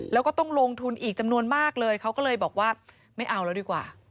แล้วก็ต้องลงทุนอีกจำนวนมากเลยเขาก็เลยบอกว่าไม่เอาแล้วดีกว่า